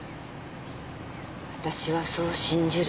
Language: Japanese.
私はそう信じる。